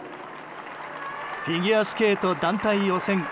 フィギュアスケート団体予選。